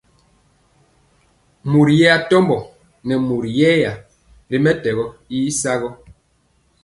Mori yɛ atombo nɛ mori yɛya ri mɛtɛgɔ y sagɔ.